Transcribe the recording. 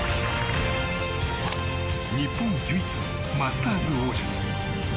日本唯一のマスターズ王者。